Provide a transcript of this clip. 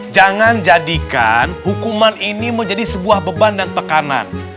jangan jadikan hukuman ini menjadi sebuah beban dan tekanan